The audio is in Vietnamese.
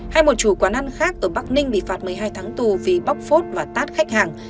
hay một chủ quán ăn khác ở bắc ninh bị phạt một mươi hai tháng tù vì bóc phốt và tát khách hàng